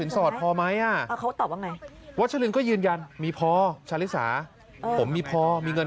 ต้องไปจ่ายค่าปรับไง